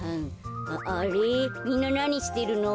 あれみんななにしてるの？